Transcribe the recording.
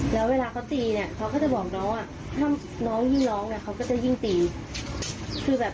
คือไม่อยากให้เสียงออกเดี๋ยวที่เขาดู